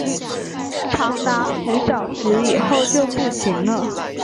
长达十小时以后就不行了